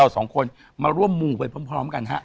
สองคนมาร่วมมูไปพร้อมกันฮะ